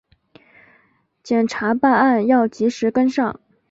检察办案要及时跟上